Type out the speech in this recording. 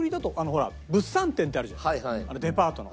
ほら物産展ってあるじゃんデパートの。